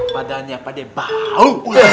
padanya padai bau